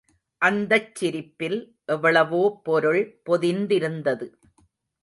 அந்தச் சிரிப்பில் எவ்வளவோ பொருள் பொதிந்திருந்தது.